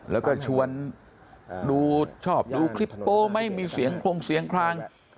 แล้วก็ชวนดูชอบดูคลิปโป๊ไม่มีเสียงคงเสียงคลาง